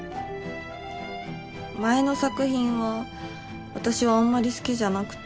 前の作品は私はあんまり好きじゃなくて。